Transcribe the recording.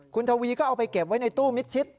คุณทวีก็เอาไปเก็บไว้ในตู้มิดชิด